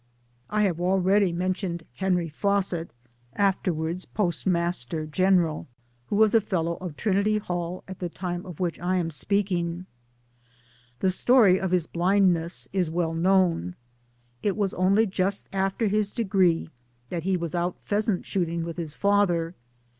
I have already mentioned Henry Fawcett (after wards Postmaster General) who was a Fellow of Trinity Hall at the time of which I am speaking. The story of his blindness is well known. It was only just after his degree that he was out pheasant shooting with his father.